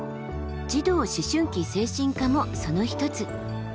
児童・思春期精神科もその一つ。